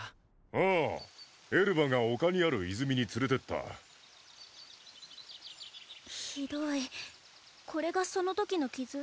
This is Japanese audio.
ああエルバが丘にある泉に連れてったひどいこれがそのときの傷？